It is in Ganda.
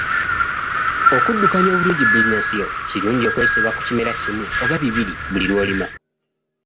Okuddukanya obulungi bizinensi yo, kirungi okwesiba ku kimera kimu oba bibiri buli lw’olima.